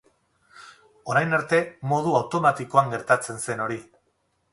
Orain arte modu automatikoan gertatzen zen hori.